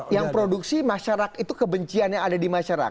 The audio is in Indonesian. yang produksi masyarakat itu kebencian yang ada di masyarakat